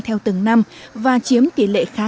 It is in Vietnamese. theo từng năm và chiếm tỷ lệ khá